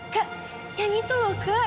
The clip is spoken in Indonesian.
kak yang itu loh kak